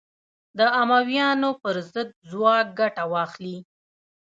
د امویانو پر ضد ځواک ګټه واخلي